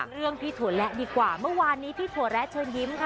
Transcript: เรื่องพี่ถั่วและดีกว่าเมื่อวานนี้พี่ถั่วแระเชิญยิ้มค่ะ